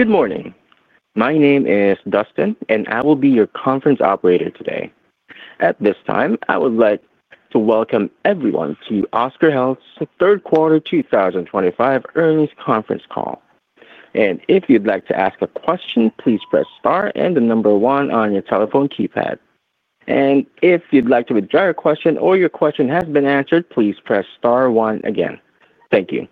Good morning. My name is Dustin, and I will be your conference operator today. At this time, I would like to welcome everyone to Oscar Health's third quarter 2025 earnings conference call. If you'd like to ask a question, please press star and the number one on your telephone keypad. If you'd like to withdraw your question or your question has been answered, please press star one again. Thank you.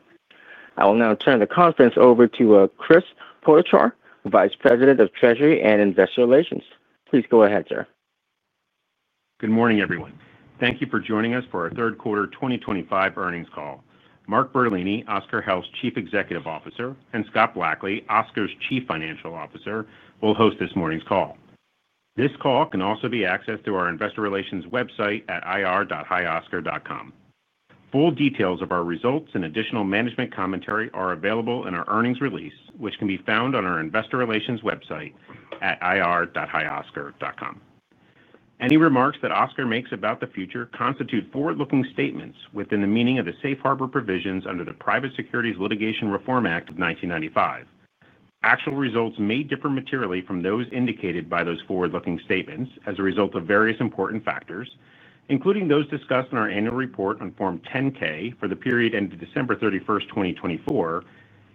I will now turn the conference over to Chris Potochar, Vice President of Treasury and Investor Relations. Please go ahead, sir. Good morning, everyone. Thank you for joining us for our third quarter 2025 earnings call. Mark Bertolini, Oscar Health's Chief Executive Officer, and Scott Blackley, Oscar's Chief Financial Officer, will host this morning's call. This call can also be accessed through our Investor Relations website at ir.hioscar.com. Full details of our results and additional management commentary are available in our earnings release, which can be found on our Investor Relations website at ir.hioscar.com. Any remarks that Oscar makes about the future constitute forward-looking statements within the meaning of the Safe Harbor provisions under the Private Securities Litigation Reform Act of 1995. Actual results may differ materially from those indicated by those forward-looking statements as a result of various important factors, including those discussed in our annual report on Form 10-K for the period ended December 31, 2024,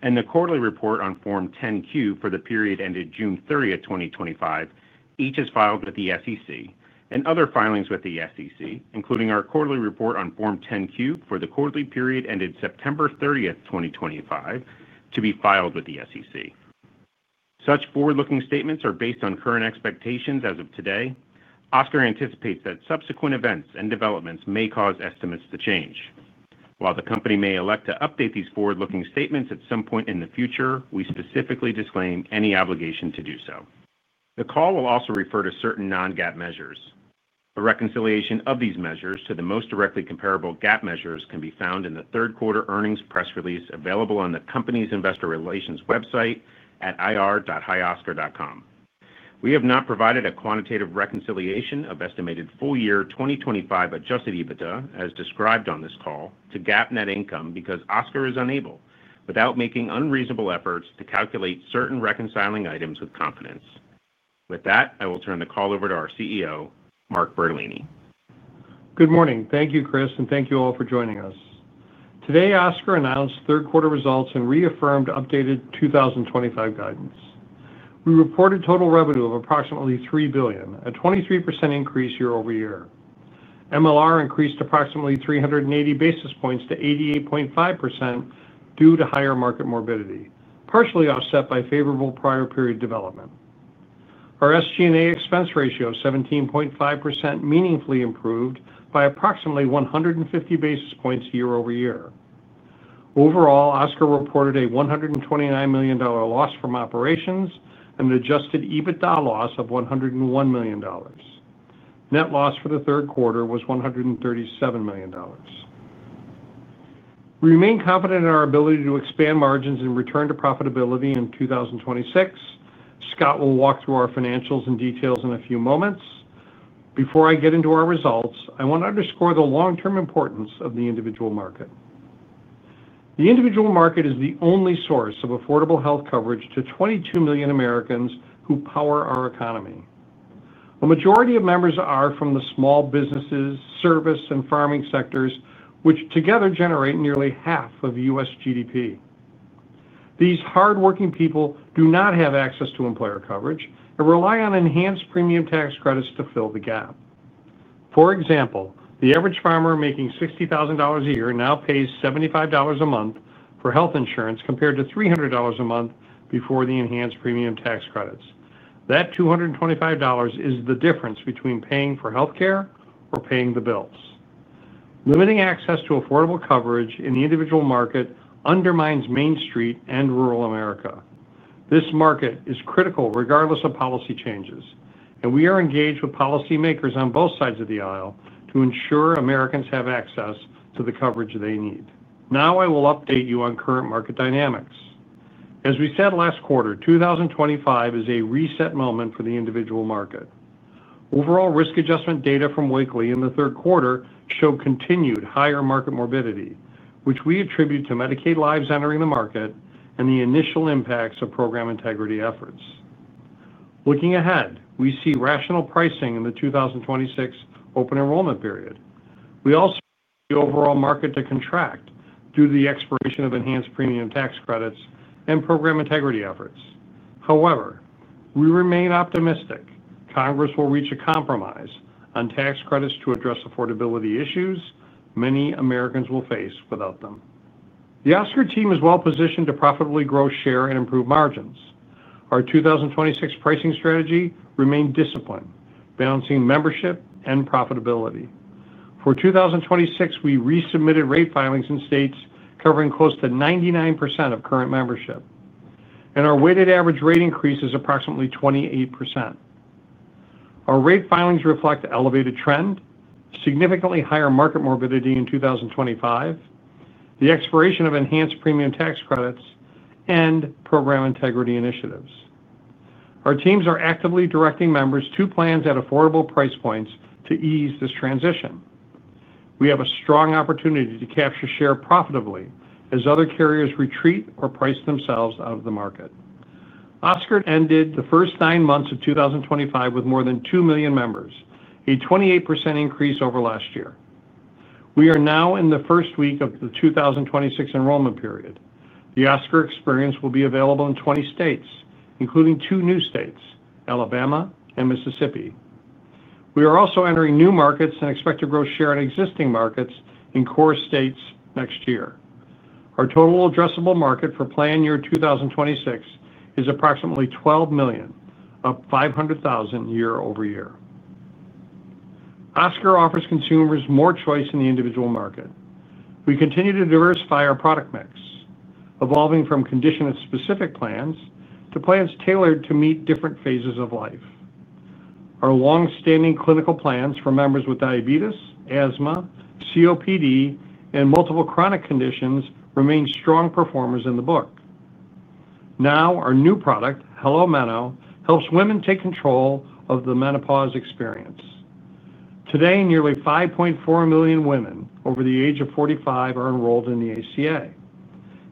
and the quarterly report on Form 10-Q for the period ended June 30, 2025, each as filed with the SEC, and other filings with the SEC, including our quarterly report on Form 10-Q for the quarterly period ended September 30, 2025, to be filed with the SEC. Such forward-looking statements are based on current expectations as of today. Oscar anticipates that subsequent events and developments may cause estimates to change. While the company may elect to update these forward-looking statements at some point in the future, we specifically disclaim any obligation to do so. The call will also refer to certain non-GAAP measures. A reconciliation of these measures to the most directly comparable GAAP measures can be found in the third quarter earnings press release available on the company's Investor Relations website at ir.hioscar.com. We have not provided a quantitative reconciliation of estimated full year 2025 adjusted EBITDA, as described on this call, to GAAP net income because Oscar is unable, without making unreasonable efforts, to calculate certain reconciling items with confidence. With that, I will turn the call over to our CEO, Mark Bertolini. Good morning. Thank you, Chris, and thank you all for joining us. Today, Oscar announced third quarter results and reaffirmed updated 2025 guidance. We reported total revenue of approximately $3 billion, a 23% increase year-over-year. MLR increased approximately 380 basis points to 88.5% due to higher market morbidity, partially offset by favorable prior period development. Our SG&A expense ratio of 17.5% meaningfully improved by approximately 150 basis points year-over-year. Overall, Oscar reported a $129 million loss from operations and an adjusted EBITDA loss of $101 million. Net loss for the third quarter was $137 million. We remain confident in our ability to expand margins and return to profitability in 2026. Scott will walk through our financials in detail in a few moments. Before I get into our results, I want to underscore the long-term importance of the individual market. The individual market is the only source of affordable health coverage to 22 million Americans who power our economy. A majority of members are from the small businesses, service, and farming sectors, which together generate nearly half of U.S. GDP. These hardworking people do not have access to employer coverage and rely on enhanced premium tax credits to fill the gap. For example, the average farmer making $60,000 a year now pays $75 a month for health insurance compared to $300 a month before the enhanced premium tax credits. That $225 is the difference between paying for healthcare or paying the bills. Limiting access to affordable coverage in the individual market undermines Main Street and rural America. This market is critical regardless of policy changes, and we are engaged with policymakers on both sides of the aisle to ensure Americans have access to the coverage they need. Now I will update you on current market dynamics. As we said last quarter, 2025 is a reset moment for the individual market. Overall risk adjustment data from Wakely in the third quarter showed continued higher market morbidity, which we attribute to Medicaid lives entering the market and the initial impacts of program integrity efforts. Looking ahead, we see rational pricing in the 2026 open enrollment period. We also see the overall market to contract due to the expiration of enhanced premium tax credits and program integrity efforts. However, we remain optimistic Congress will reach a compromise on tax credits to address affordability issues many Americans will face without them. The Oscar team is well positioned to profitably grow share and improve margins. Our 2026 pricing strategy remains disciplined, balancing membership and profitability. For 2026, we resubmitted rate filings in states covering close to 99% of current membership. Our weighted average rate increase is approximately 28%. Our rate filings reflect an elevated trend, significantly higher market morbidity in 2025, the expiration of enhanced premium tax credits, and program integrity initiatives. Our teams are actively directing members to plans at affordable price points to ease this transition. We have a strong opportunity to capture share profitably as other carriers retreat or price themselves out of the market. Oscar ended the first nine months of 2025 with more than 2 million members, a 28% increase over last year. We are now in the first week of the 2026 enrollment period. The Oscar experience will be available in 20 states, including two new states, Alabama and Mississippi. We are also entering new markets and expect to grow share in existing markets in core states next year. Our total addressable market for plan year 2026 is approximately $12 million, up $500,000 year-over-year. Oscar offers consumers more choice in the individual market. We continue to diversify our product mix, evolving from condition-specific plans to plans tailored to meet different phases of life. Our longstanding clinical plans for members with diabetes, asthma, COPD, and multiple chronic conditions remain strong performers in the book. Now our new product, HelloMeno, helps women take control of the menopause experience. Today, nearly 5.4 million women over the age of 45 are enrolled in the ACA,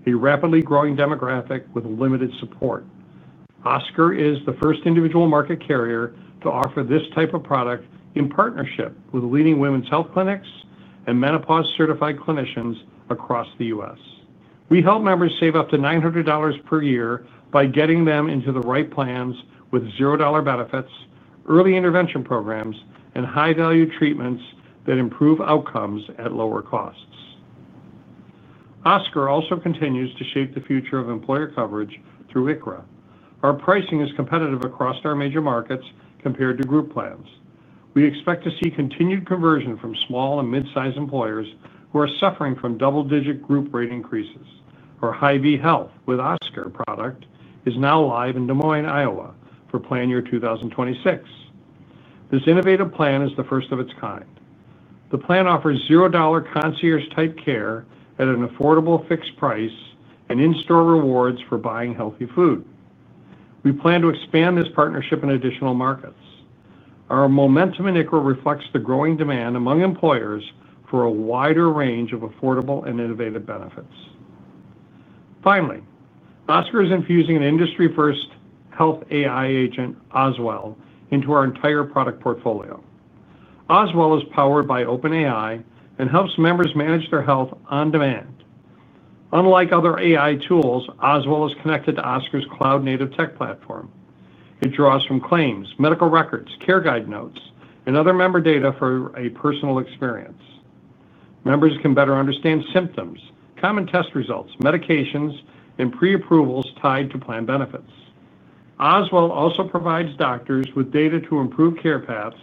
a rapidly growing demographic with limited support. Oscar is the first individual market carrier to offer this type of product in partnership with leading women's health clinics and menopause-certified clinicians across the U.S. We help members save up to $900 per year by getting them into the right plans with $0 benefits, early intervention programs, and high-value treatments that improve outcomes at lower costs. Oscar also continues to shape the future of employer coverage through ICHRA. Our pricing is competitive across our major markets compared to group plans. We expect to see continued conversion from small and mid-sized employers who are suffering from double-digit group rate increases. Our Hy-Vee Health with Oscar product is now live in Des Moines, Iowa, for plan year 2026. This innovative plan is the first of its kind. The plan offers $0 concierge-type care at an affordable fixed price and in-store rewards for buying healthy food. We plan to expand this partnership in additional markets. Our momentum in ICHRA reflects the growing demand among employers for a wider range of affordable and innovative benefits. Finally, Oscar is infusing an industry-first health AI agent, Oswell, into our entire product portfolio. Oswell is powered by OpenAI and helps members manage their health on demand. Unlike other AI tools, Oswell is connected to Oscar's cloud-native tech platform. It draws from claims, medical records, care guide notes, and other member data for a personal experience. Members can better understand symptoms, common test results, medications, and pre-approvals tied to plan benefits. Oswell also provides doctors with data to improve care paths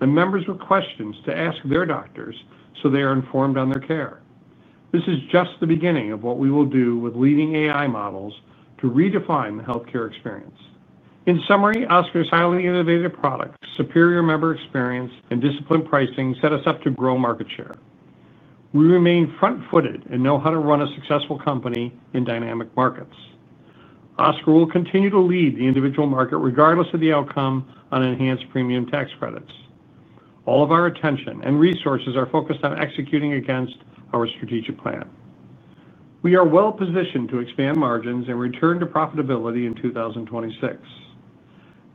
and members with questions to ask their doctors so they are informed on their care. This is just the beginning of what we will do with leading AI models to redefine the healthcare experience. In summary, Oscar's highly innovative product, superior member experience, and disciplined pricing set us up to grow market share. We remain front-footed and know how to run a successful company in dynamic markets. Oscar will continue to lead the individual market regardless of the outcome on enhanced premium tax credits. All of our attention and resources are focused on executing against our strategic plan. We are well positioned to expand margins and return to profitability in 2026.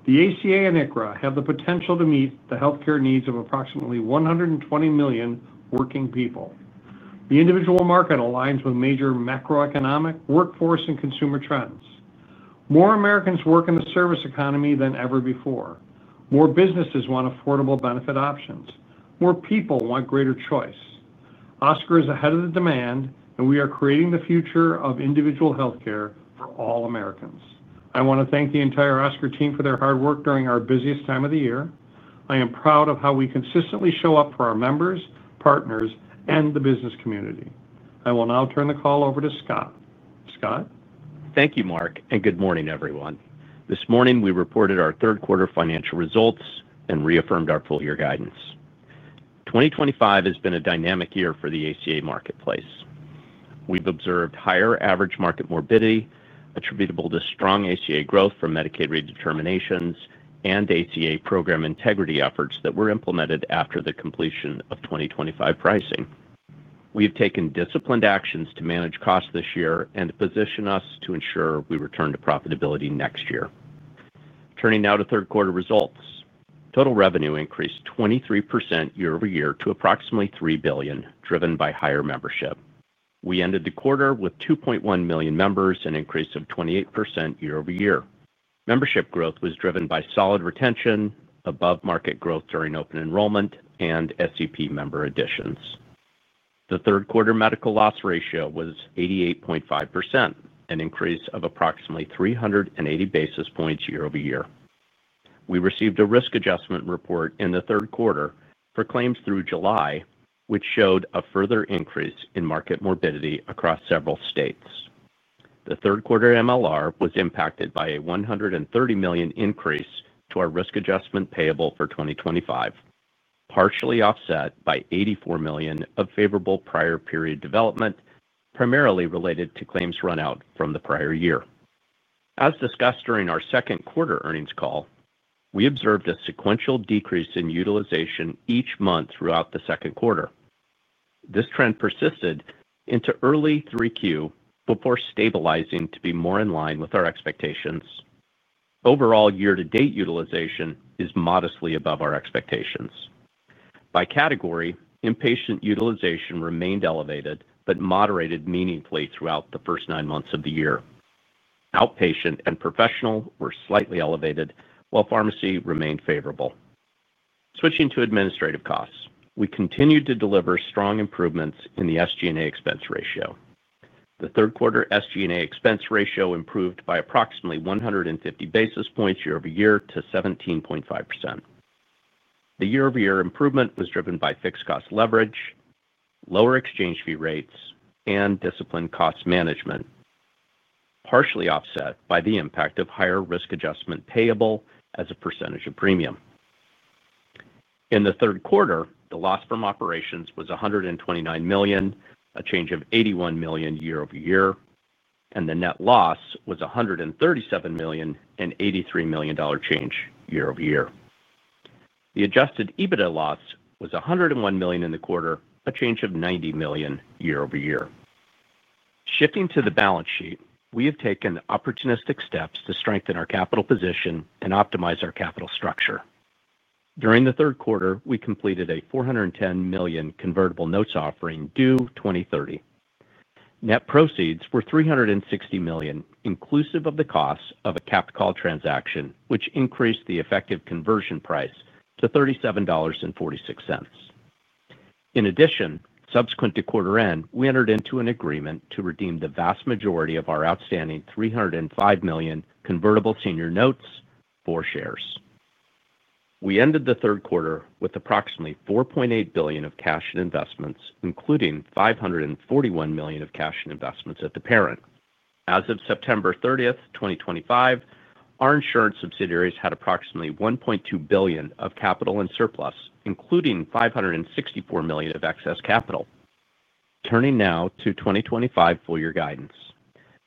The ACA and ICHRA have the potential to meet the healthcare needs of approximately 120 million working people. The individual market aligns with major macroeconomic, workforce, and consumer trends. More Americans work in the service economy than ever before. More businesses want affordable benefit options. More people want greater choice. Oscar is ahead of the demand, and we are creating the future of individual healthcare for all Americans. I want to thank the entire Oscar team for their hard work during our busiest time of the year. I am proud of how we consistently show up for our members, partners, and the business community. I will now turn the call over to Scott. Scott. Thank you, Mark, and good morning, everyone. This morning, we reported our third quarter financial results and reaffirmed our full-year guidance. 2025 has been a dynamic year for the ACA marketplace. We've observed higher average market morbidity attributable to strong ACA growth from Medicaid redeterminations and ACA program integrity efforts that were implemented after the completion of 2025 pricing. We have taken disciplined actions to manage costs this year and position us to ensure we return to profitability next year. Turning now to third quarter results, total revenue increased 23% year-over-year to approximately $3 billion, driven by higher membership. We ended the quarter with 2.1 million members and an increase of 28% year-over-year. Membership growth was driven by solid retention, above market growth during open enrollment, and SEP member additions. The third quarter medical loss ratio was 88.5%, an increase of approximately 380 basis points year-over-year. We received a risk adjustment report in the third quarter for claims through July, which showed a further increase in market morbidity across several states. The third quarter MLR was impacted by a $130 million increase to our risk adjustment payable for 2025, partially offset by $84 million of favorable prior period development, primarily related to claims runout from the prior year. As discussed during our second quarter earnings call, we observed a sequential decrease in utilization each month throughout the second quarter. This trend persisted into early 3Q before stabilizing to be more in line with our expectations. Overall, year-to-date utilization is modestly above our expectations. By category, inpatient utilization remained elevated but moderated meaningfully throughout the first nine months of the year. Outpatient and professional were slightly elevated, while pharmacy remained favorable. Switching to administrative costs, we continued to deliver strong improvements in the SG&A expense ratio. The third quarter SG&A expense ratio improved by approximately 150 basis points year-over-year to 17.5%. The year-over-year improvement was driven by fixed cost leverage, lower exchange fee rates, and disciplined cost management, partially offset by the impact of higher risk adjustment payable as a percentage of premium. In the third quarter, the loss from operations was $129 million, a change of $81 million year-over-year, and the net loss was $137 million and an $83 million change year-over-year. The adjusted EBITDA loss was $101 million in the quarter, a change of $90 million year-over-year. Shifting to the balance sheet, we have taken opportunistic steps to strengthen our capital position and optimize our capital structure. During the third quarter, we completed a $410 million convertible notes offering due 2030. Net proceeds were $360 million, inclusive of the cost of a capped call transaction, which increased the effective conversion price to $37.46. In addition, subsequent to quarter end, we entered into an agreement to redeem the vast majority of our outstanding $305 million convertible senior notes for shares. We ended the third quarter with approximately $4.8 billion of cash and investments, including $541 million of cash and investments at the parent. As of September 30th, 2025, our insurance subsidiaries had approximately $1.2 billion of capital in surplus, including $564 million of excess capital. Turning now to 2025 full-year guidance.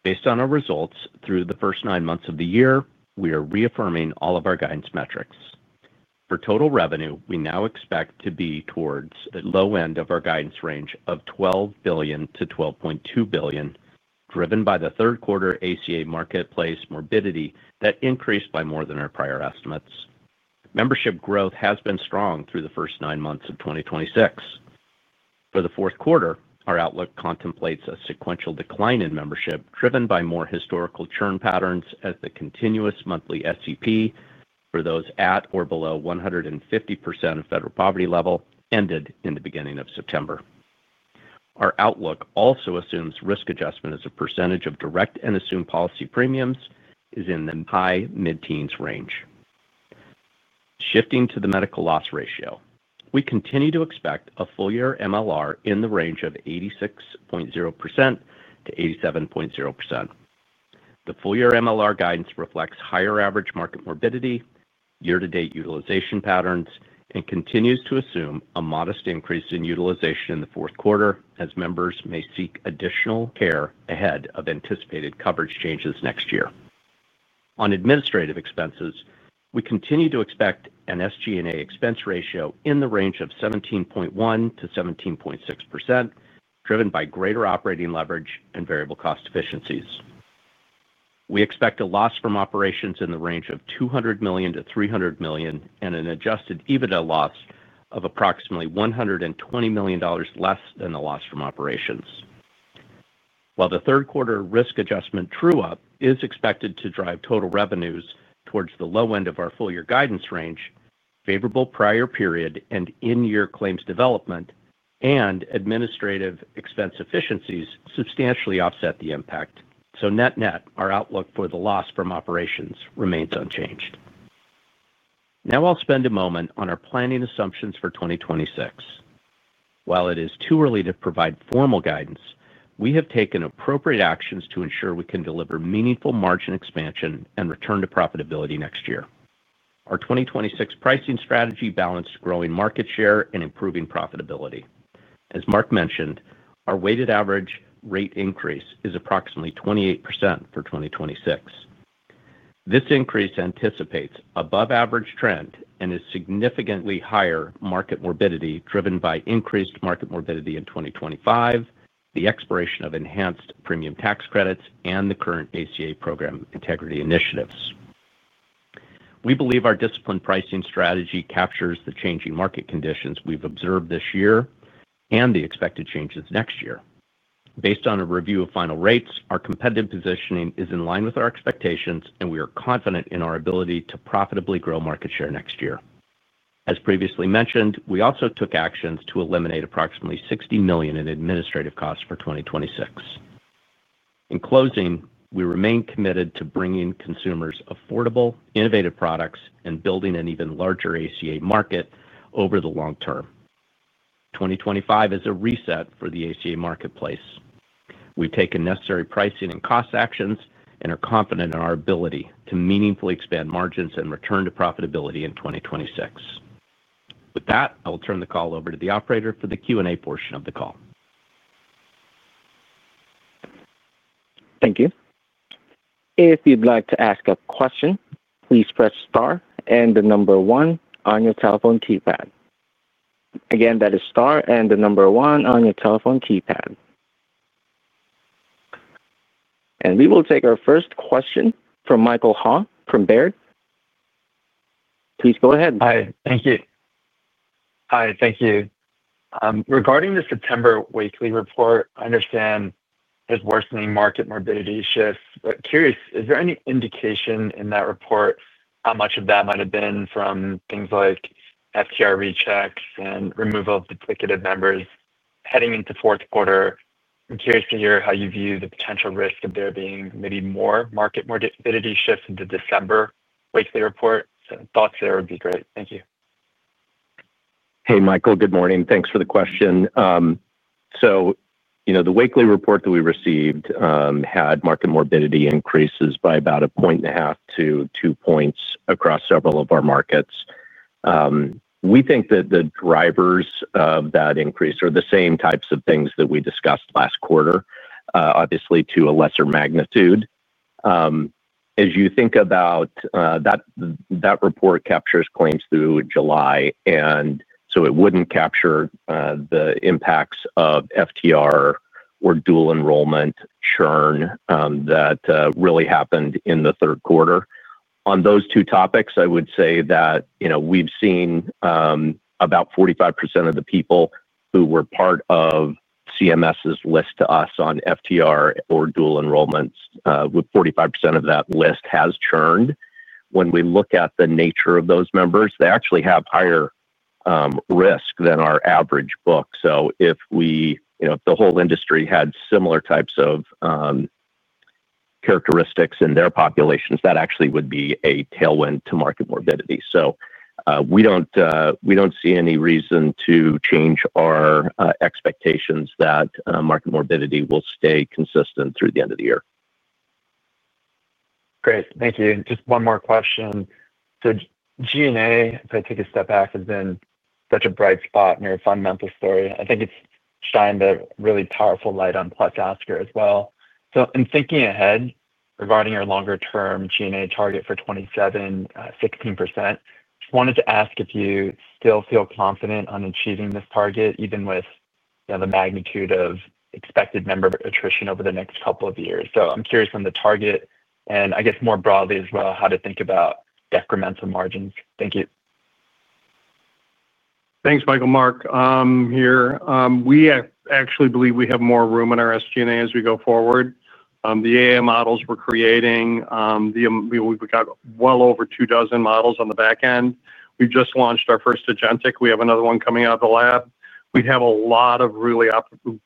Based on our results through the first nine months of the year, we are reaffirming all of our guidance metrics. For total revenue, we now expect to be towards the low end of our guidance range of $12 billion-$12.2 billion, driven by the third quarter ACA marketplace morbidity that increased by more than our prior estimates. Membership growth has been strong through the first nine months of 2026. For the fourth quarter, our outlook contemplates a sequential decline in membership driven by more historical churn patterns as the continuous monthly SEP for those at or below 150% of federal poverty level ended in the beginning of September. Our outlook also assumes risk adjustment as a percentage of direct and assumed policy premiums is in the high mid-teens range. Shifting to the medical loss ratio, we continue to expect a full-year MLR in the range of 86.0%-87.0%. The full-year MLR guidance reflects higher average market morbidity, year-to-date utilization patterns, and continues to assume a modest increase in utilization in the fourth quarter as members may seek additional care ahead of anticipated coverage changes next year. On administrative expenses, we continue to expect an SG&A expense ratio in the range of 17.1%-17.6%, driven by greater operating leverage and variable cost efficiencies. We expect a loss from operations in the range of $200 million-$300 million and an adjusted EBITDA loss of approximately $120 million less than the loss from operations. While the third quarter risk adjustment true-up is expected to drive total revenues towards the low end of our full-year guidance range, favorable prior period and in-year claims development, and administrative expense efficiencies substantially offset the impact. Net-net, our outlook for the loss from operations remains unchanged. Now I'll spend a moment on our planning assumptions for 2026. While it is too early to provide formal guidance, we have taken appropriate actions to ensure we can deliver meaningful margin expansion and return to profitability next year. Our 2026 pricing strategy balances growing market share and improving profitability. As Mark mentioned, our weighted average rate increase is approximately 28% for 2026. This increase anticipates an above-average trend and is significantly higher market morbidity driven by increased market morbidity in 2025, the expiration of enhanced premium tax credits, and the current ACA program integrity initiatives. We believe our disciplined pricing strategy captures the changing market conditions we've observed this year and the expected changes next year. Based on a review of final rates, our competitive positioning is in line with our expectations, and we are confident in our ability to profitably grow market share next year. As previously mentioned, we also took actions to eliminate approximately $60 million in administrative costs for 2026. In closing, we remain committed to bringing consumers affordable, innovative products and building an even larger ACA market over the long term. 2025 is a reset for the ACA marketplace. We've taken necessary pricing and cost actions and are confident in our ability to meaningfully expand margins and return to profitability in 2026. With that, I will turn the call over to the operator for the Q&A portion of the call. Thank you. If you'd like to ask a question, please press Star and the number one on your telephone keypad. Again, that is Star and the number one on your telephone keypad. We will take our first question from Michael Ha from Baird. Please go ahead. Hi. Thank you. Regarding the September weekly report, I understand. There's worsening market morbidity shifts. Curious, is there any indication in that report how much of that might have been from things like FTR rechecks and removal of duplicative members heading into fourth quarter? I'm curious to hear how you view the potential risk of there being maybe more market morbidity shifts into December weekly report. Thoughts there would be great. Thank you. Hey, Michael. Good morning. Thanks for the question. You know, the weekly report that we received had market morbidity increases by about a point and a half to two points across several of our markets. We think that the drivers of that increase are the same types of things that we discussed last quarter, obviously to a lesser magnitude. As you think about it, that report captures claims through July, and it would not capture the impacts of FTR or dual enrollment churn that really happened in the third quarter. On those two topics, I would say that, you know, we've seen about 45% of the people who were part of CMS's list to us on FTR or dual enrollments, with 45% of that list has churned. When we look at the nature of those members, they actually have higher risk than our average book. If we, you know, if the whole industry had similar types of characteristics in their populations, that actually would be a tailwind to market morbidity. We do not see any reason to change our expectations that market morbidity will stay consistent through the end of the year. Great. Thank you. Just one more question. G&A, if I take a step back, has been such a bright spot in your fundamental story. I think it's shined a really powerful light on +Oscar as well. In thinking ahead regarding your longer-term G&A target for 2027, 16%, just wanted to ask if you still feel confident on achieving this target, even with the magnitude of expected member attrition over the next couple of years. I'm curious on the target and, I guess, more broadly as well, how to think about decremental margins. Thank you. Thanks, Michael. Mark here. We actually believe we have more room in our SG&A as we go forward. The AI models we're creating, we've got well over two dozen models on the back end. We've just launched our first agentic. We have another one coming out of the lab. We have a lot of really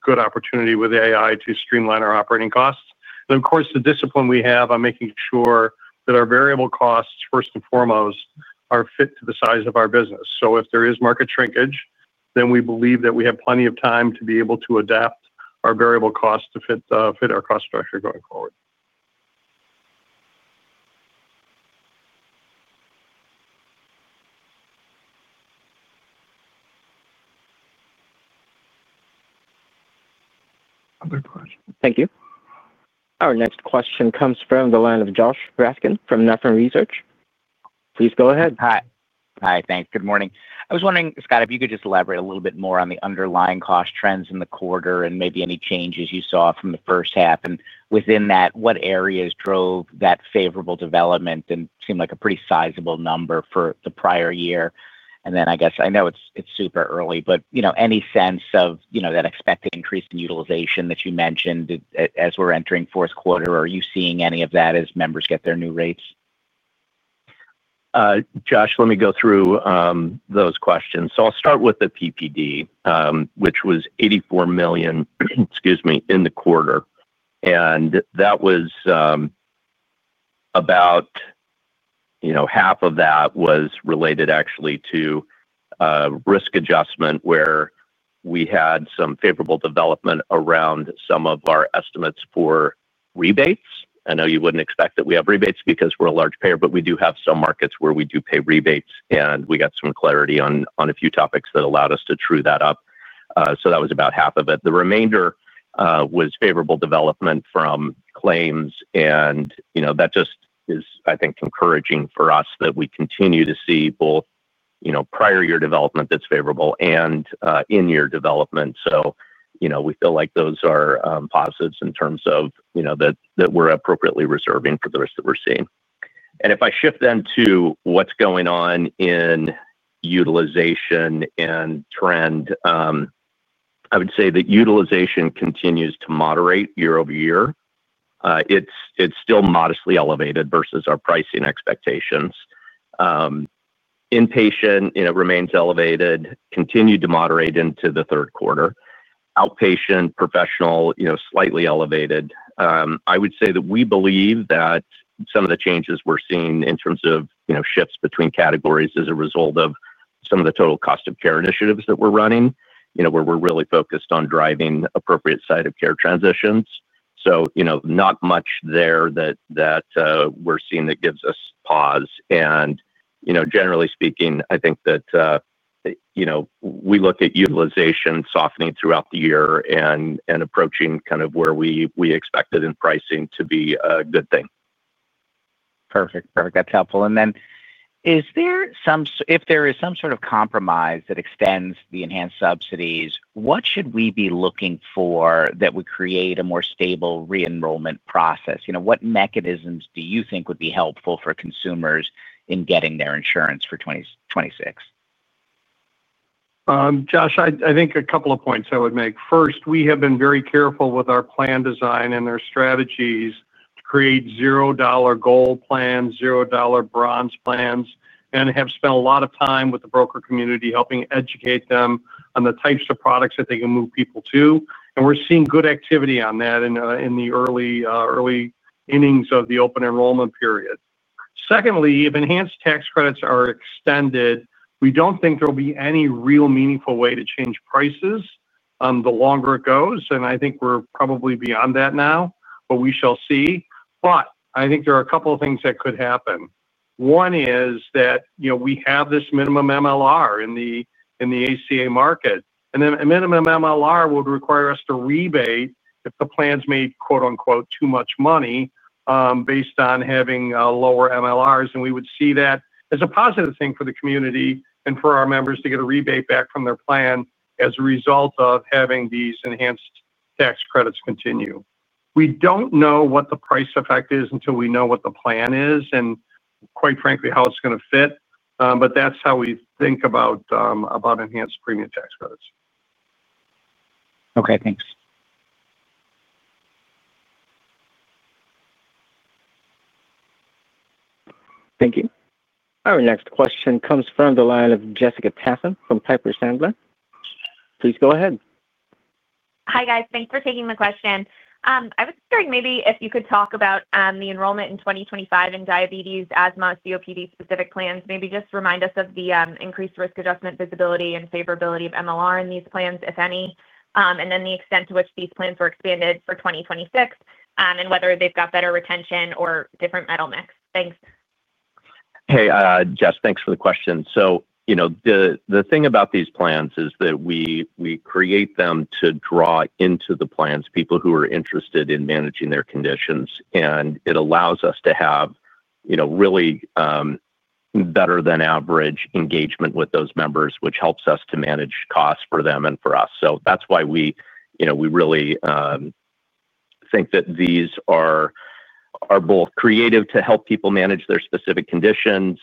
good opportunity with AI to streamline our operating costs. Of course, the discipline we have on making sure that our variable costs, first and foremost, are fit to the size of our business. If there is market shrinkage, then we believe that we have plenty of time to be able to adapt our variable costs to fit our cost structure going forward. Other questions? Thank you. Our next question comes from the line of Josh Raskin from Nephron Research. Please go ahead. Hi. Thanks. Good morning. I was wondering, Scott, if you could just elaborate a little bit more on the underlying cost trends in the quarter and maybe any changes you saw from the first half. Within that, what areas drove that favorable development? It seemed like a pretty sizable number for the prior year. I guess I know it's super early, but any sense of that expected increase in utilization that you mentioned as we're entering fourth quarter? Are you seeing any of that as members get their new rates? Josh, let me go through those questions. I'll start with the PPD, which was $84 million, excuse me, in the quarter. That was about half of that was related actually to risk adjustment, where we had some favorable development around some of our estimates for rebates. I know you wouldn't expect that we have rebates because we're a large payer, but we do have some markets where we do pay rebates. We got some clarity on a few topics that allowed us to true that up. That was about half of it. The remainder was favorable development from claims. That just is, I think, encouraging for us that we continue to see both prior year development that's favorable and in-year development. We feel like those are positives in terms of that we're appropriately reserving for the risk that we're seeing. If I shift then to what's going on in utilization and trend. I would say that utilization continues to moderate year-over- year. It's still modestly elevated versus our pricing expectations. Inpatient remains elevated, continued to moderate into the third quarter. Outpatient professional, slightly elevated. I would say that we believe that some of the changes we're seeing in terms of shifts between categories is a result of some of the total cost of care initiatives that we're running, where we're really focused on driving appropriate side-of-care transitions. Not much there that we're seeing that gives us pause. Generally speaking, I think that we look at utilization softening throughout the year and approaching kind of where we expected in pricing to be a good thing. Perfect. Perfect. That's helpful. If there is some sort of compromise that extends the enhanced subsidies, what should we be looking for that would create a more stable re-enrollment process? What mechanisms do you think would be helpful for consumers in getting their insurance for 2026? Josh, I think a couple of points I would make. First, we have been very careful with our plan design and our strategies to create zero-dollar Gold plans, zero-dollar Bronze plans, and have spent a lot of time with the broker community helping educate them on the types of products that they can move people to. We're seeing good activity on that in the early innings of the open enrollment period. Secondly, if enhanced tax credits are extended, we don't think there'll be any real meaningful way to change prices the longer it goes. I think we're probably beyond that now, but we shall see. I think there are a couple of things that could happen. One is that we have this minimum MLR in the ACA market. A minimum MLR would require us to rebate if the plans made "too much money." Based on having lower MLRs. We would see that as a positive thing for the community and for our members to get a rebate back from their plan as a result of having these enhanced tax credits continue. We do not know what the price effect is until we know what the plan is and, quite frankly, how it is going to fit. That is how we think about enhanced premium tax credits. Okay. Thanks. Thank you. Our next question comes from the line of Jessica Tassan from Piper Sandler. Please go ahead. Hi, guys. Thanks for taking the question. I was wondering maybe if you could talk about the enrollment in 2025 in diabetes, asthma, COPD-specific plans, maybe just remind us of the increased risk adjustment visibility and favorability of MLR in these plans, if any, and then the extent to which these plans were expanded for 2026 and whether they've got better retention or different metal mix. Thanks. Hey, Jess, thanks for the question. The thing about these plans is that we create them to draw into the plans people who are interested in managing their conditions. It allows us to have really better-than-average engagement with those members, which helps us to manage costs for them and for us. That's why we really think that these are both creative to help people manage their specific conditions.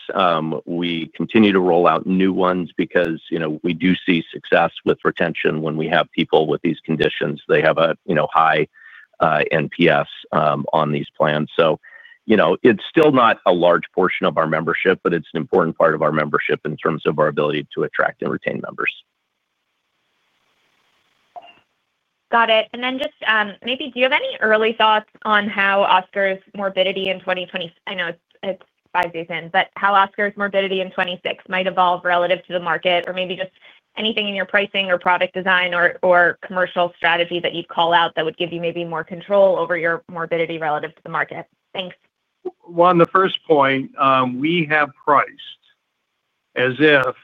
We continue to roll out new ones because we do see success with retention when we have people with these conditions. They have a high NPS on these plans. It's still not a large portion of our membership, but it's an important part of our membership in terms of our ability to attract and retain members. Got it. And then just maybe, do you have any early thoughts on how Oscar's morbidity in 2026—I know it's five days in—but how Oscar's morbidity in 2026 might evolve relative to the market, or maybe just anything in your pricing or product design or commercial strategy that you'd call out that would give you maybe more control over your morbidity relative to the market? Thanks. On the first point, we have priced as if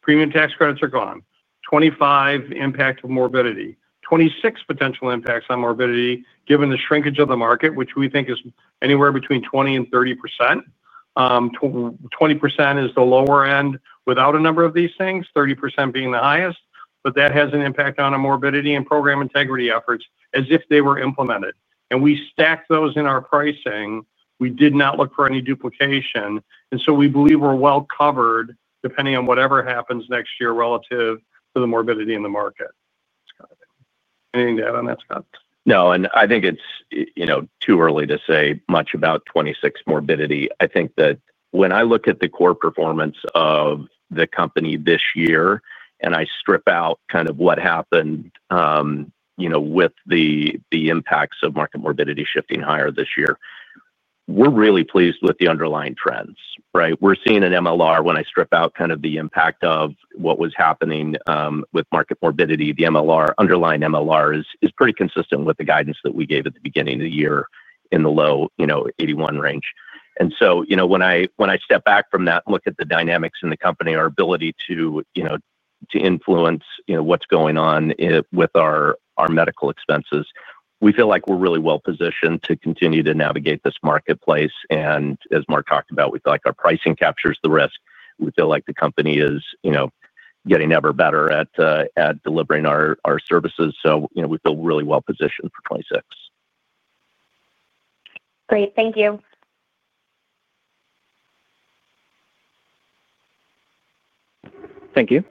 premium tax credits are gone, 25 impact of morbidity, 26 potential impacts on morbidity given the shrinkage of the market, which we think is anywhere between 20%-30%. 20% is the lower end without a number of these things, 30% being the highest. That has an impact on our morbidity and program integrity efforts as if they were implemented. We stacked those in our pricing. We did not look for any duplication. We believe we are well covered depending on whatever happens next year relative to the morbidity in the market. Scott. Anything to add on that, Scott? No. I think it is too early to say much about 2026 morbidity. I think that when I look at the core performance of the company this year and I strip out kind of what happened with the impacts of market morbidity shifting higher this year, we are really pleased with the underlying trends, right? We are seeing an MLR, when I strip out kind of the impact of what was happening with market morbidity, the underlying MLR is pretty consistent with the guidance that we gave at the beginning of the year in the low 81% range. When I step back from that and look at the dynamics in the company, our ability to influence what is going on with our medical expenses, we feel like we are really well positioned to continue to navigate this marketplace. As Mark talked about, we feel like our pricing captures the risk. We feel like the company is getting ever better at delivering our services. We feel really well positioned for 2026. Great. Thank you. Thank you.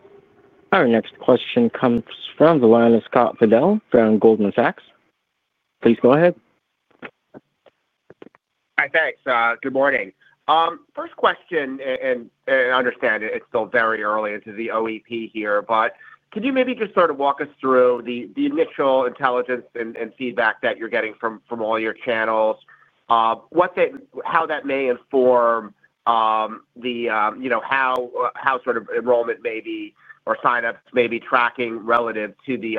Our next question comes from the line of Scott Fidel from Goldman Sachs. Please go ahead. Hi, thanks. Good morning. First question, and I understand it's still very early into the OEP here, but could you maybe just sort of walk us through the initial intelligence and feedback that you're getting from all your channels, how that may inform how sort of enrollment may be or sign-ups may be tracking relative to the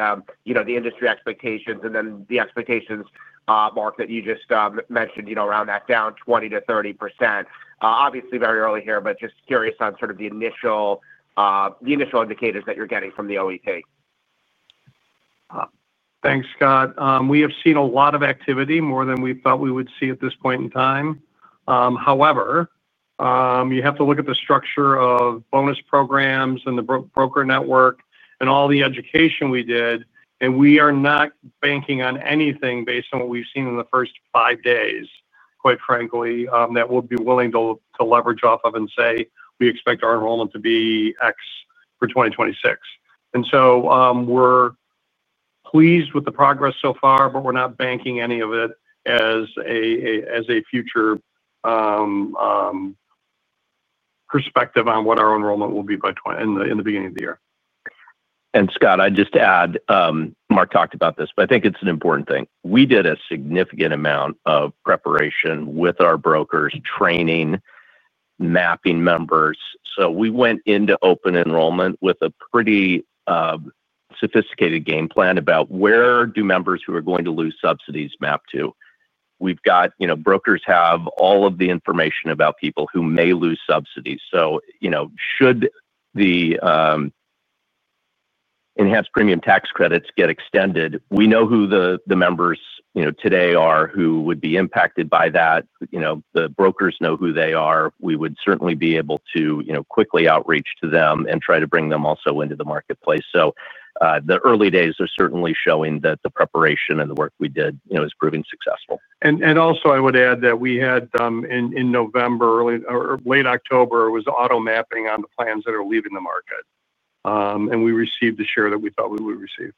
industry expectations, and then the expectations, Mark, that you just mentioned around that down 20%-30%? Obviously, very early here, but just curious on sort of the initial indicators that you're getting from the OEP. Thanks, Scott. We have seen a lot of activity, more than we thought we would see at this point in time. However, you have to look at the structure of bonus programs and the broker network and all the education we did. We are not banking on anything based on what we've seen in the first five days, quite frankly, that we'll be willing to leverage off of and say, "We expect our enrollment to be X for 2026." We are pleased with the progress so far, but we're not banking any of it as a future perspective on what our enrollment will be in the beginning of the year. Scott, I'd just add—Mark talked about this—but I think it's an important thing. We did a significant amount of preparation with our brokers, training, mapping members. We went into open enrollment with a pretty sophisticated game plan about where do members who are going to lose subsidies map to. Brokers have all of the information about people who may lose subsidies. Should the enhanced premium tax credits get extended, we know who the members today are who would be impacted by that. The brokers know who they are. We would certainly be able to quickly outreach to them and try to bring them also into the marketplace. The early days are certainly showing that the preparation and the work we did is proving successful. I would add that we had, in November or late October, it was auto mapping on the plans that are leaving the market. We received the share that we thought we would receive.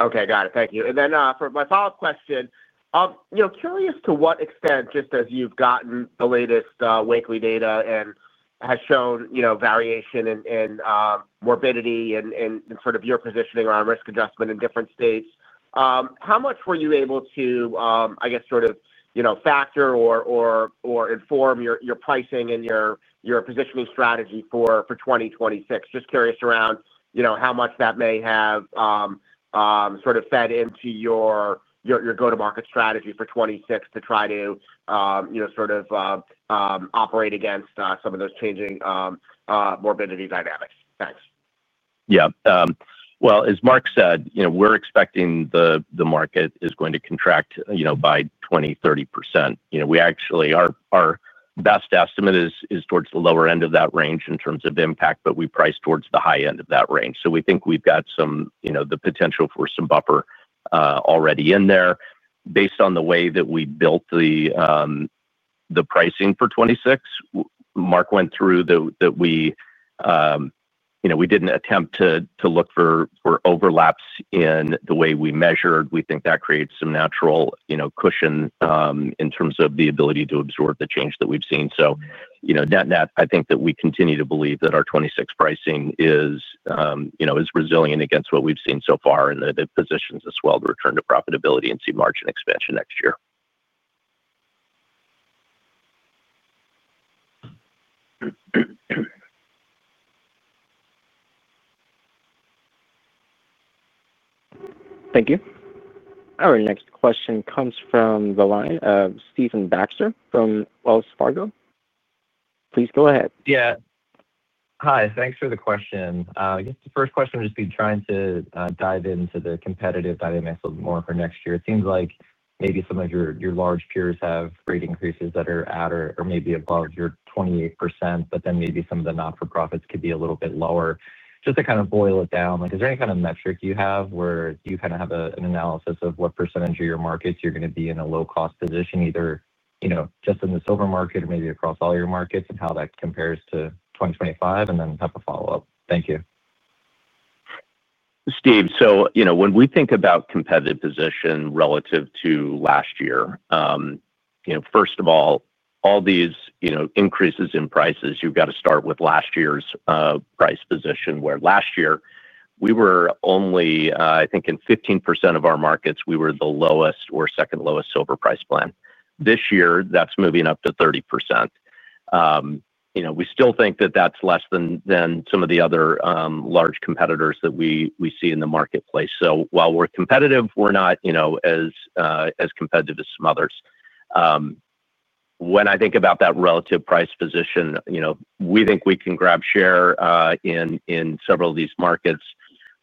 Okay. Got it. Thank you. For my follow-up question, I'm curious to what extent, just as you've gotten the latest weekly data and has shown variation in morbidity and sort of your positioning around risk adjustment in different states, how much were you able to, I guess, sort of factor or inform your pricing and your positioning strategy for 2026? Just curious around how much that may have sort of fed into your go-to-market strategy for 2026 to try to sort of operate against some of those changing morbidity dynamics. Thanks. Yeah. As Mark said, we're expecting the market is going to contract by 20-30%. Our best estimate is towards the lower end of that range in terms of impact, but we price towards the high end of that range. We think we've got the potential for some buffer already in there. Based on the way that we built the pricing for 2026, Mark went through that. We did not attempt to look for overlaps in the way we measured. We think that creates some natural cushion in terms of the ability to absorb the change that we've seen. Net-net, I think that we continue to believe that our 2026 pricing is resilient against what we've seen so far and that it positions us well to return to profitability and see margin expansion next year. Thank you. Our next question comes from the line of Stephen Baxter from Wells Fargo. Please go ahead. Yeah. Hi. Thanks for the question. I guess the first question would just be trying to dive into the competitive dynamics a little bit more for next year. It seems like maybe some of your large peers have rate increases that are at or maybe above your 28%, but then maybe some of the not-for-profits could be a little bit lower. Just to kind of boil it down, is there any kind of metric you have where you kind of have an analysis of what percentage of your markets you're going to be in a low-cost position, either just in the Silver market or maybe across all your markets, and how that compares to 2025? I have a follow-up. Thank you. Steve, so when we think about competitive position relative to last year. First of all, all these increases in prices, you've got to start with last year's price position, where last year we were only, I think, in 15% of our markets, we were the lowest or second lowest Silver price plan. This year, that's moving up to 30%. We still think that that's less than some of the other large competitors that we see in the marketplace. So while we're competitive, we're not as competitive as some others. When I think about that relative price position. We think we can grab share in several of these markets.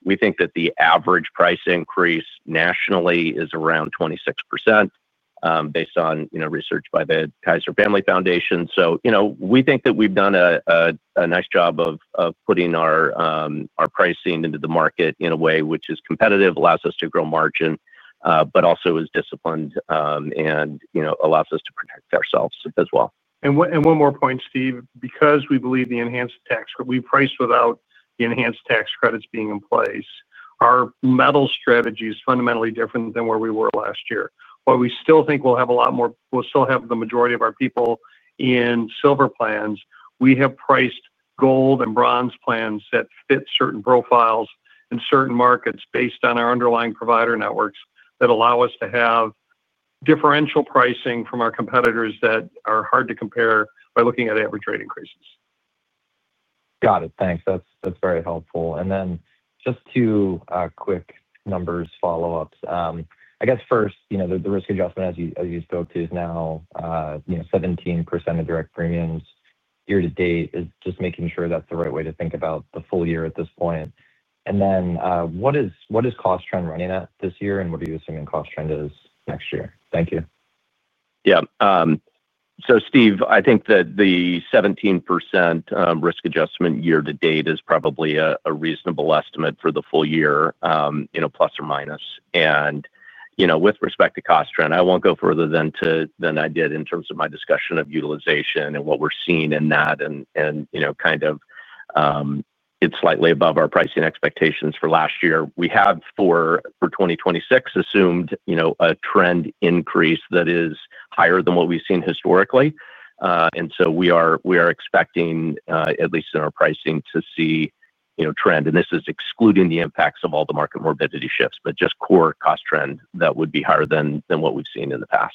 We think that the average price increase nationally is around 26%. Based on research by the Kaiser Family Foundation. We think that we've done a nice job of putting our pricing into the market in a way which is competitive, allows us to grow margin, but also is disciplined and allows us to protect ourselves as well. One more point, Steve. Because we believe the enhanced tax credit—we've priced without the enhanced tax credits being in place—our metal strategy is fundamentally different than where we were last year. While we still think we'll have a lot more—we'll still have the majority of our people in silver plans. We have priced Gold and Bronze plans that fit certain profiles in certain markets based on our underlying provider networks that allow us to have differential pricing from our competitors that are hard to compare by looking at average rate increases. Got it. Thanks. That's very helpful. Just two quick numbers follow-ups. I guess first, the risk adjustment, as you spoke to, is now 17% of direct premiums year to date. Just making sure that's the right way to think about the full year at this point. What is cost trend running at this year, and what are you assuming cost trend is next year? Thank you. Yeah. Steve, I think that the 17% risk adjustment year to date is probably a reasonable estimate for the full year, plus or minus. With respect to cost trend, I will not go further than I did in terms of my discussion of utilization and what we are seeing in that and kind of. It is slightly above our pricing expectations for last year. We have for 2026 assumed a trend increase that is higher than what we have seen historically. We are expecting, at least in our pricing, to see trend. This is excluding the impacts of all the market morbidity shifts, but just core cost trend that would be higher than what we have seen in the past.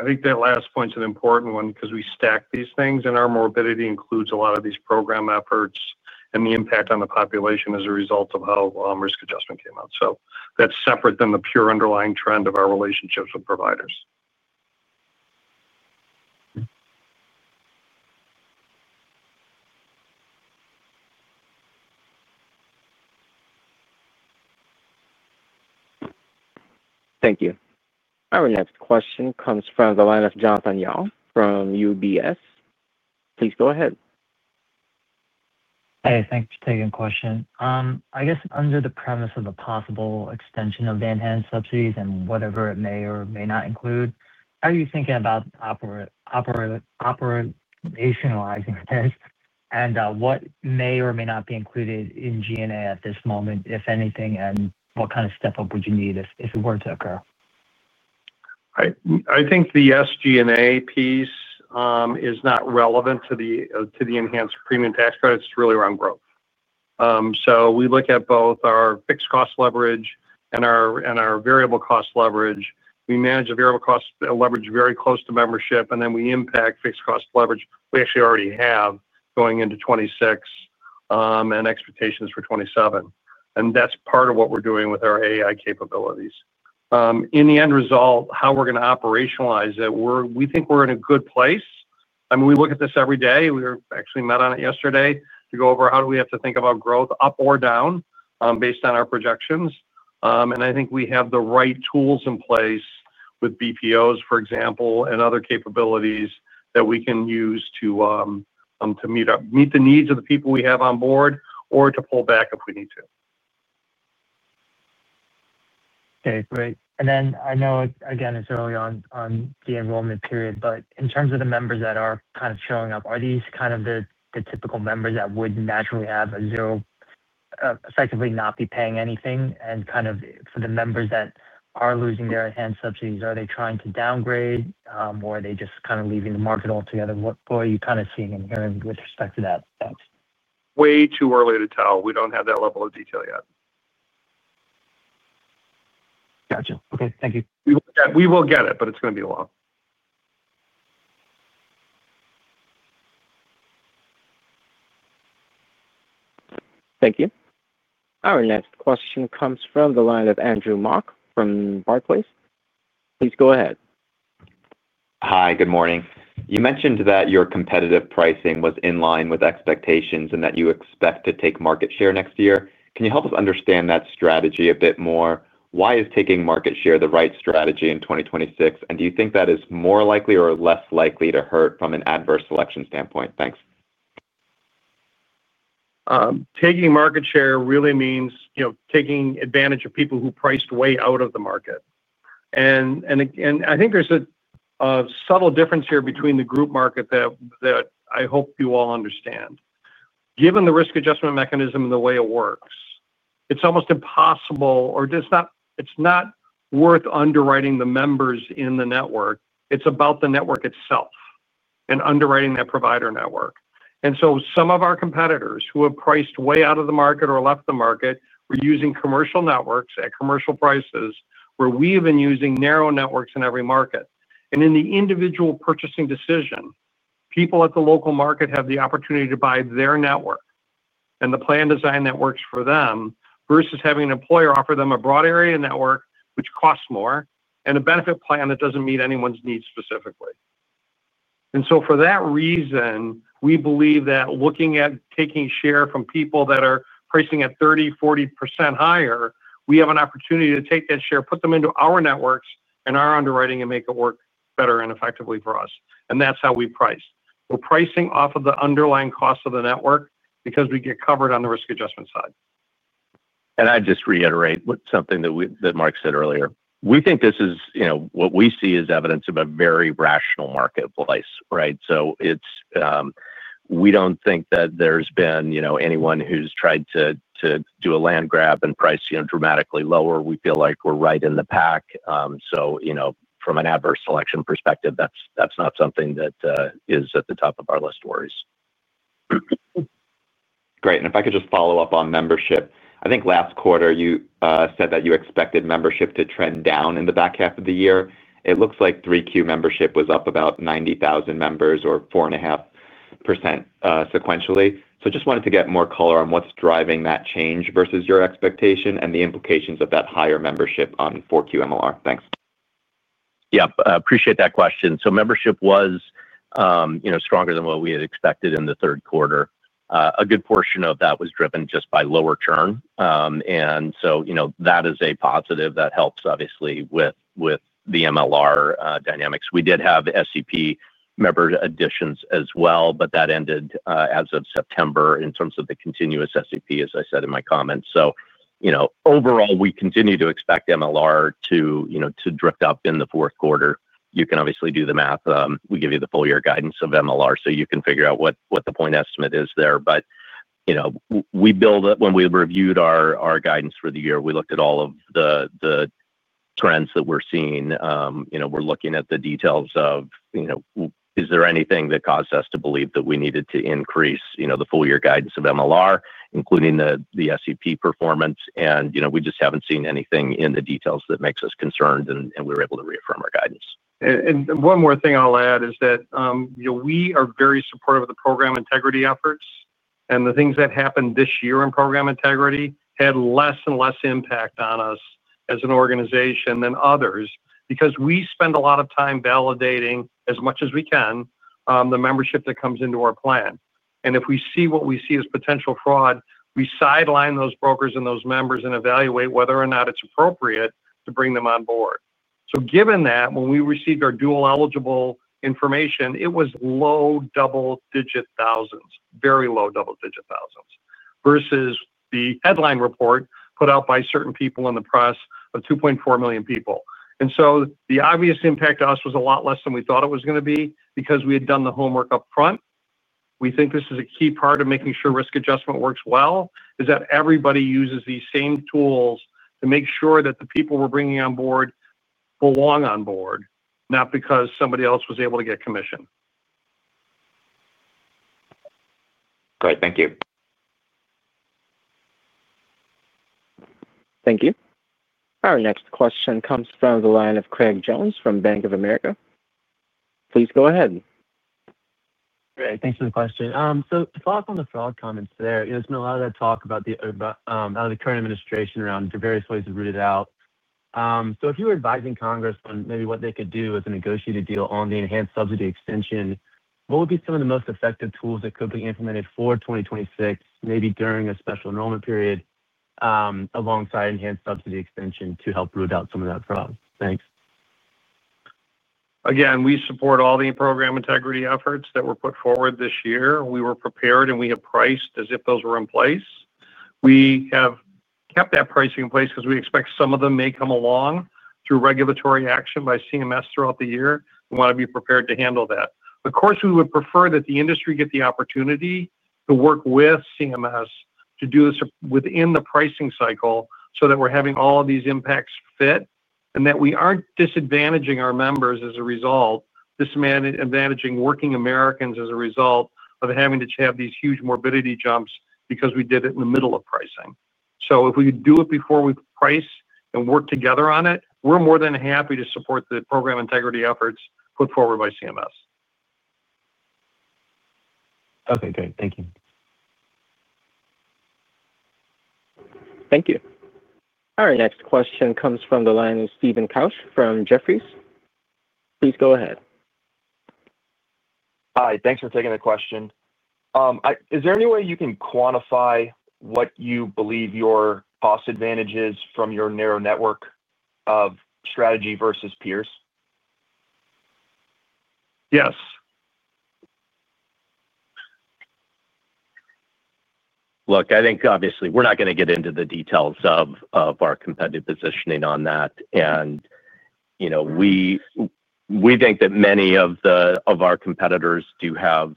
I think that last point's an important one because we stack these things, and our morbidity includes a lot of these program efforts and the impact on the population as a result of how risk adjustment came out. That is separate than the pure underlying trend of our relationships with providers. Thank you. Our next question comes from the line of Jonathan Yong from UBS. Please go ahead. Hi. Thanks for taking the question. I guess under the premise of the possible extension of the enhanced subsidies and whatever it may or may not include, how are you thinking about operationalizing this? And what may or may not be included in G&A at this moment, if anything, and what kind of step-up would you need if it were to occur? I think the SG&A piece is not relevant to the enhanced premium tax credits. It's really around growth. We look at both our fixed cost leverage and our variable cost leverage. We manage variable cost leverage very close to membership, and then we impact fixed cost leverage we actually already have going into 2026. Expectations for 2027. That's part of what we're doing with our AI capabilities. In the end result, how we're going to operationalize it, we think we're in a good place. I mean, we look at this every day. We actually met on it yesterday to go over how do we have to think about growth, up or down, based on our projections. I think we have the right tools in place with BPOs, for example, and other capabilities that we can use to. Meet the needs of the people we have on board or to pull back if we need to. Okay. Great. I know, again, it's early on the enrollment period, but in terms of the members that are kind of showing up, are these kind of the typical members that would naturally have a, effectively not be paying anything? For the members that are losing their enhanced subsidies, are they trying to downgrade, or are they just kind of leaving the market altogether? What are you kind of seeing and hearing with respect to that? Way too early to tell. We don't have that level of detail yet. Gotcha. Okay. Thank you. We will get it, but it's going to be a while. Thank you. Our next question comes from the line of Andrew Mok from Barclays. Please go ahead. Hi. Good morning. You mentioned that your competitive pricing was in line with expectations and that you expect to take market share next year. Can you help us understand that strategy a bit more? Why is taking market share the right strategy in 2026? Do you think that is more likely or less likely to hurt from an adverse selection standpoint? Thanks. Taking market share really means taking advantage of people who priced way out of the market. I think there's a subtle difference here between the group market that I hope you all understand. Given the risk adjustment mechanism and the way it works, it's almost impossible or it's not worth underwriting the members in the network. It's about the network itself and underwriting that provider network. Some of our competitors who have priced way out of the market or left the market were using commercial networks at commercial prices where we've been using narrow networks in every market. In the individual purchasing decision, people at the local market have the opportunity to buy their network and the plan design that works for them versus having an employer offer them a broad area network, which costs more, and a benefit plan that doesn't meet anyone's needs specifically. For that reason, we believe that looking at taking share from people that are pricing at 30%-40% higher, we have an opportunity to take that share, put them into our networks and our underwriting, and make it work better and effectively for us. That is how we price. We are pricing off of the underlying cost of the network because we get covered on the risk adjustment side. I would just reiterate something that Mark said earlier. We think this is what we see as evidence of a very rational marketplace, right? We do not think that there has been anyone who has tried to do a land grab and price dramatically lower. We feel like we are right in the pack. From an adverse selection perspective, that is not something that is at the top of our list of worries. Great. If I could just follow up on membership, I think last quarter, you said that you expected membership to trend down in the back half of the year. It looks like 3Q membership was up about 90,000 members or 4.5% sequentially. I just wanted to get more color on what's driving that change versus your expectation and the implications of that higher membership on 4Q MLR. Thanks. Yeah. Appreciate that question. Membership was stronger than what we had expected in the third quarter. A good portion of that was driven just by lower churn, and that is a positive that helps, obviously, with the MLR dynamics. We did have SEP member additions as well, but that ended as of September in terms of the continuous SEP, as I said in my comments. Overall, we continue to expect MLR to drift up in the fourth quarter. You can obviously do the math. We give you the full year guidance of MLR, so you can figure out what the point estimate is there. We build it when we reviewed our guidance for the year. We looked at all of the trends that we're seeing. We're looking at the details of. Is there anything that caused us to believe that we needed to increase the full year guidance of MLR, including the SEP performance? We just haven't seen anything in the details that makes us concerned, and we were able to reaffirm our guidance. One more thing I'll add is that we are very supportive of the program integrity efforts. The things that happened this year in program integrity had less and less impact on us as an organization than others because we spend a lot of time validating, as much as we can, the membership that comes into our plan. If we see what we see as potential fraud, we sideline those brokers and those members and evaluate whether or not it's appropriate to bring them on board. Given that, when we received our dual eligible information, it was low double-digit thousands, very low double-digit thousands versus the headline report put out by certain people in the press of 2.4 million people. The obvious impact to us was a lot less than we thought it was going to be because we had done the homework upfront. We think this is a key part of making sure risk adjustment works well is that everybody uses these same tools to make sure that the people we're bringing on board belong on board, not because somebody else was able to get commission. Great. Thank you. Thank you. Our next question comes from the line of Craig Jones from Bank of America. Please go ahead. Great. Thanks for the question. To follow up on the fraud comments there, there's been a lot of talk about the current administration around various ways to root it out. If you were advising Congress on maybe what they could do as a negotiated deal on the enhanced subsidy extension, what would be some of the most effective tools that could be implemented for 2026, maybe during a special enrollment period, alongside enhanced subsidy extension to help root out some of that fraud? Thanks. Again, we support all the program integrity efforts that were put forward this year. We were prepared, and we have priced as if those were in place. We have kept that pricing in place because we expect some of them may come along through regulatory action by CMS throughout the year. We want to be prepared to handle that. Of course, we would prefer that the industry get the opportunity to work with CMS to do this within the pricing cycle so that we are having all of these impacts fit and that we are not disadvantaging our members as a result, disadvantaging working Americans as a result of having to have these huge morbidity jumps because we did it in the middle of pricing. If we do it before we price and work together on it, we are more than happy to support the program integrity efforts put forward by CMS. Okay. Great. Thank you. Thank you. Our next question comes from the line of Steven Couche from Jefferies. Please go ahead. Hi. Thanks for taking the question. Is there any way you can quantify what you believe your cost advantage is from your narrow network strategy versus peers? Yes. Look, I think obviously we're not going to get into the details of our competitive positioning on that. We think that many of our competitors do have,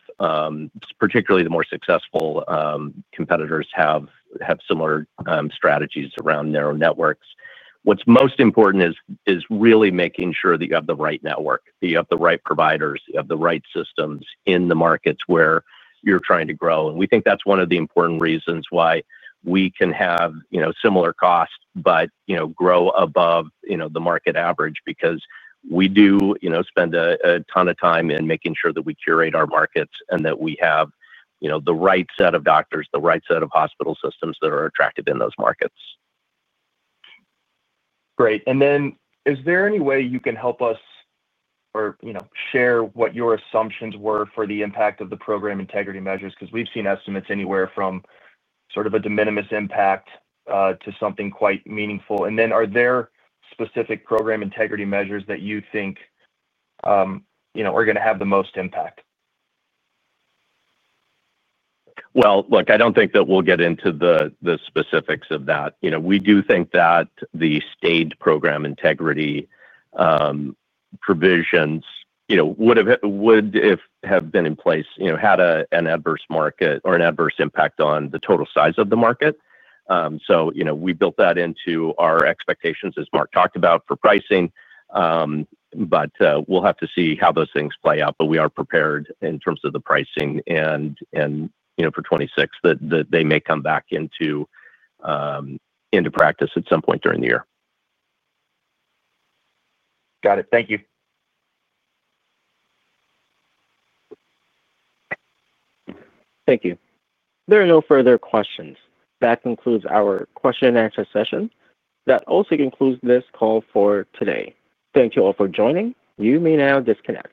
particularly the more successful competitors, have similar strategies around narrow networks. What's most important is really making sure that you have the right network, that you have the right providers, you have the right systems in the markets where you're trying to grow. We think that's one of the important reasons why we can have similar costs but grow above the market average because we do spend a ton of time in making sure that we curate our markets and that we have the right set of doctors, the right set of hospital systems that are attractive in those markets. Great. Is there any way you can help us, or share what your assumptions were for the impact of the program integrity measures? We have seen estimates anywhere from sort of a de minimis impact to something quite meaningful. Are there specific program integrity measures that you think are going to have the most impact? I don't think that we'll get into the specifics of that. We do think that the staged program integrity provisions would have been in place had an adverse market or an adverse impact on the total size of the market. We built that into our expectations, as Mark talked about, for pricing. We'll have to see how those things play out. We are prepared in terms of the pricing and for 2026 that they may come back into practice at some point during the year. Got it. Thank you. Thank you. There are no further questions. That concludes our question-and-answer session. That also concludes this call for today. Thank you all for joining. You may now disconnect.